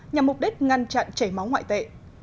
nhằm mục đích ngăn chặn chảy máu ngoại tệ